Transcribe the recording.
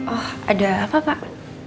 oh ada apa pak